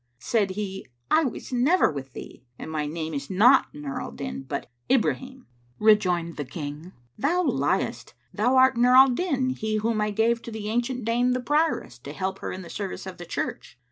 Said he, "I was never with thee: and my name is not Nur al Din, but Ibrahim." Rejoined the King; "Thou liest, thou art Nur al Din, he whom I gave to the ancient dame the Prioress, to help her in the service of the church."